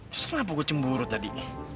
terus kenapa gue cemburu tadi